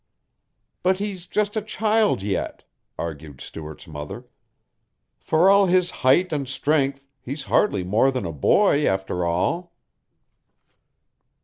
"But he's just a child yet," argued Stuart's mother. "For all his height and strength he's hardly more than a boy after all."